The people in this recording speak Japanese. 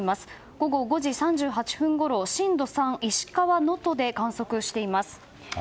午後５時３８分ごろ震度３を石川・能登で観測しています。